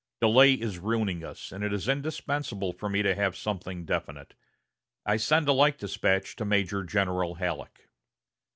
Delay is ruining us, and it is indispensable for me to have something definite. I send a like despatch to Major General Halleck."